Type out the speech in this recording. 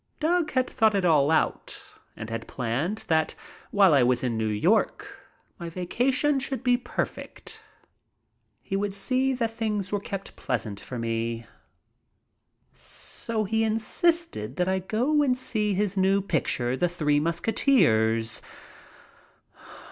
Doug had thought it all out and had planned that while AS I LOOK WHEN I AM SERIOUS I DECIDE TO PLAY HOOKEY 9 I was in New York my vacation should be perfect. He would see that things were kept pleasant for me. So he insisted that I go and see his new picture, "The Three Musketeers."